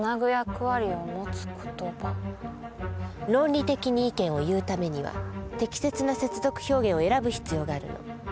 論理的に意見を言うためには適切な接続表現を選ぶ必要があるの。